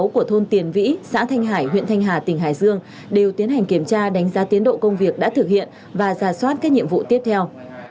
của thôn tiền vĩ xã thanh hải huyện thanh hà tỉnh hải dương đều tiến hành kiểm tra đánh giá tiến độ công việc đã thực hiện và ra soát các nhiệm vụ tiếp theo